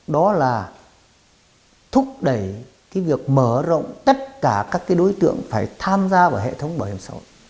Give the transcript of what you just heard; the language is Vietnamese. đó là thúc đẩy cái việc mở rộng tất cả các cái đối tượng phải tham gia vào hệ thống bảo hiểm xã hội